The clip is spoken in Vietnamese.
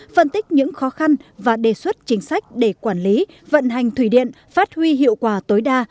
phân tích những khó khăn và đề xuất chính sách để quản lý vận hành thủy điện phát huy hiệu quả tối đa